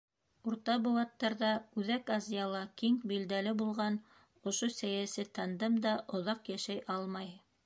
Урта быуаттарҙа Үҙәк Азияла киң билдәле булған ошо сәйәси тандем да оҙаҡ йәшәй алмай.